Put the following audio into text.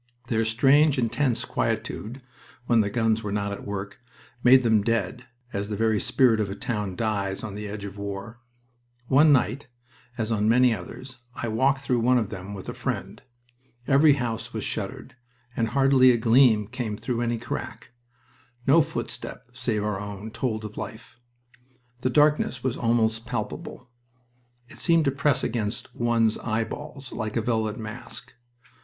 Their strange, intense quietude, when the guns were not at work, made them dead, as the very spirit of a town dies on the edge of war. One night, as on many others, I walked through one of them with a friend. Every house was shuttered, and hardly a gleam came through any crack. No footstep, save our own, told of life. The darkness was almost palpable. It seemed to press against one's eyeballs like a velvet mask.